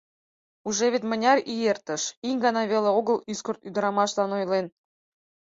Уже вет мыняр ий эртыш, — ик гана веле огыл ӱскырт ӱдырамашлан ойлен.